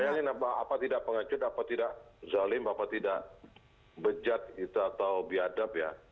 bayangin apa tidak pengecut apa tidak zalim apa tidak bejat atau biadab ya